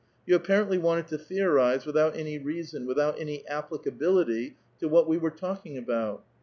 You apparently wanted to theorize without any rea son, without any applicability to what we were talking about.